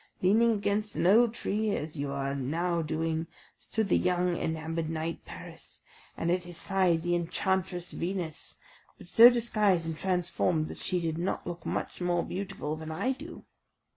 Leaning against an old tree, as you now are doing, stood the young enamoured knight Paris, and at his side the enchantress Venus, but so disguised and transformed, that she did not look much more beautiful than I do.